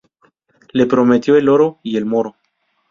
Le prometió el oro y el moro